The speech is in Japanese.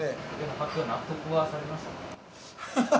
発表、納得はされましたか？